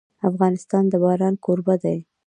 افغانستان د باران کوربه دی.